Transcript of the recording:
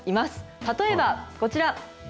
例えばこちら。